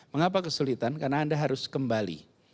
mengapa kesulitan karena anda harus kembali